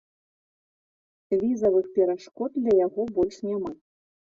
Візавых перашкод для яго больш няма.